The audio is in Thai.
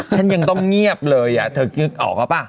ฉันยังต้องเงียบเลยอ่ะเธอก็คิดออกแล้วป่ะ